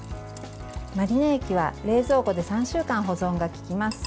マリネ液は冷蔵庫で３週間保存がききます。